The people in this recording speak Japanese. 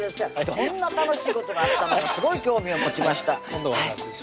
どんな楽しいことがあったのかすごい興味を持ちました今度お話しします